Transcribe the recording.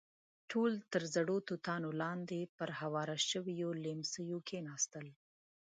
ټول تر زړو توتانو لاندې پر هوارو شويو ليمڅيو کېناستل.